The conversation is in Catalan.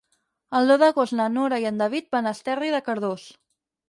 El deu d'agost na Nora i en David van a Esterri de Cardós.